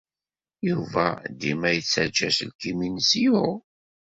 Yuba dima yettajja aselkim-nnes yuɣ.